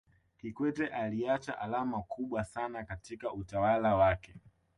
kikwete aliacha alama kubwa sana katika utawala wake